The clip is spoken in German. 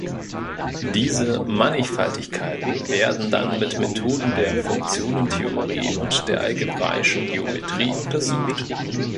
Diese Mannigfaltigkeiten werden dann mit Methoden der Funktionentheorie und der algebraischen Geometrie untersucht.